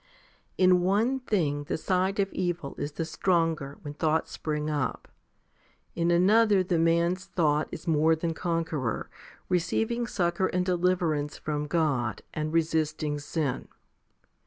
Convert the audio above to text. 10. In one thing the side of evil is the stronger when thoughts spring up, in another the man's thought is more than conqueror, receiving succour and deliverance from God, and resisting sin.